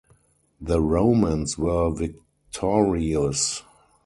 The Romans were victorious.